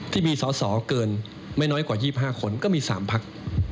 ที่มีสอสอเกินไม่น้อยกว่า๒๕คนก็มี๓พัก